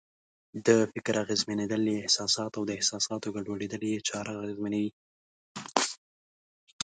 د فکر اغېزمنېدل یې احساسات او د احساساتو ګډوډېدل یې چارې اغېزمنوي.